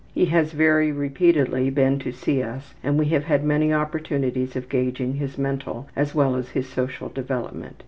He has very repeatedly been to see us and we have had many opportunities of gauging his mental as well as his social development.